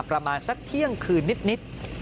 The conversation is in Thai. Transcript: ประมาณสักเที่ยงคืนนิด